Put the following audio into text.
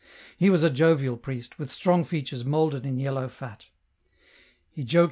He was a jovial priest, with strong features moulded in yellow fat. He joked M.